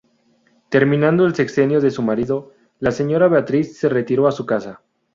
Terminado el sexenio de su marido, la señora Beatriz se retiró a su casa.